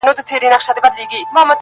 • نجلۍ نوم کله کله يادېږي تل,